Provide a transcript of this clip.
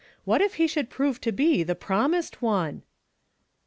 What if he should prove to be the promised One